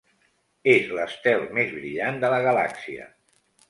És l'estel més brillant de la galàxia.